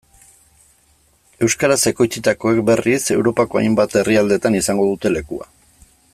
Euskaraz ekoitzitakoek berriz, Europako hainbat herrialdetan izango dute lekua.